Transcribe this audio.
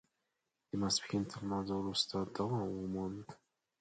د ماسپښین تر لمانځه وروسته دوام وموند.